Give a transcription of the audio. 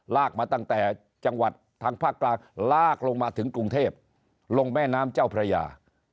ลากมาตั้งแต่จังหวัดทางภาคกลางลากลงมาถึงกรุงเทพลงแม่น้ำเจ้าพระยา